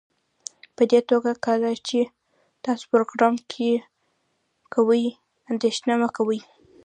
پدې توګه کله چې تاسو پروګرام کوئ اندیښنه مه کوئ